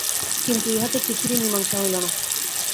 কিন্তু ইহাতে কিছুরই মীমাংসা হইল না।